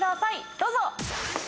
どうぞ！